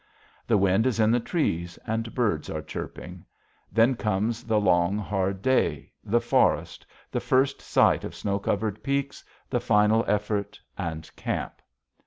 The wind is in the trees and birds are chirping. Then comes the long, hard day, the forest, the first sight of snow covered peaks, the final effort, and camp.